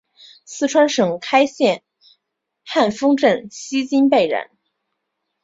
四川省开县汉丰镇西津坝人。